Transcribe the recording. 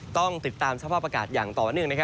ต้องติดตามสภาพอากาศอย่างต่อเนื่อง